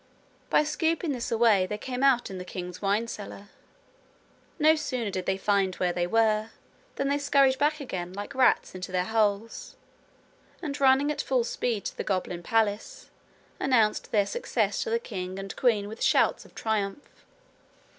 By scooping this away they came out in the king's wine cellar. No sooner did they find where they were, than they scurried back again, like rats into their holes, and running at full speed to the goblin palace, announced their success to the king and queen with shouts of triumph.